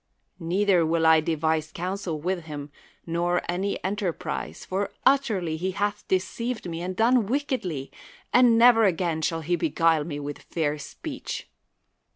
Neither will I devise counsel with him nor any enterprise, for utterly he hath deceived me and done wickedly; but never again shall he beg uile me with fair speech.